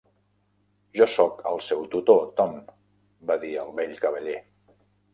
"Jo sóc el seu tutor, Tom", va dir el vell cavaller.